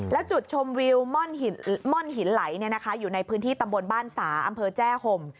และจุดชมวิวม่อนหินไหลอยู่ในพื้นที่ตำบลบ้านสาอำเภอแจ้ห่ม